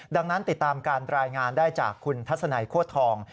ดังนั้นติดตามการรายงานได้จากคุณทัศนัยโคตรทอง